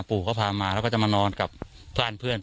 ปู่เขาพามาแล้วก็จะมานอนกับเพื่อน